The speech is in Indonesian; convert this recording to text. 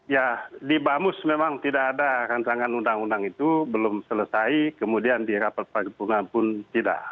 ya di bamus memang tidak ada rancangan undang undang itu belum selesai kemudian di rapat paripungan pun tidak